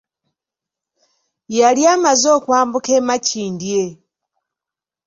Yali amaze okwambuka e Makindye